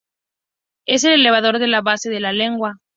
Es el elevador de la base de la lengua.